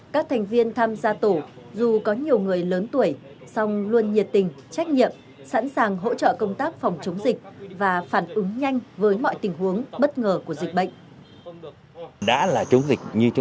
các thành viên tham gia tổ dù có nhiều người lớn tuổi song luôn nhiệt tình trách nhiệm sẵn sàng hỗ trợ công tác phòng chống dịch